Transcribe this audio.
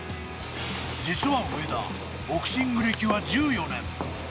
実は上田、ボクシング歴は１４年。